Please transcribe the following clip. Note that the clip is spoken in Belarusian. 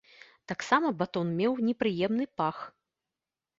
Таксама батон меў непрыемны пах.